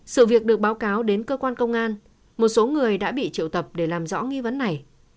sự việc được báo cáo đến cơ quan công an một số người đã bị triệu tập để làm rõ nghi vấn này